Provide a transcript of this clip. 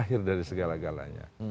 akhir dari segala galanya